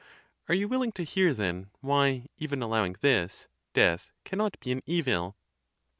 Are you willing to hear then why, even allow ing this, death cannot be an evil.